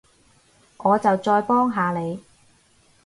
我就再幫下你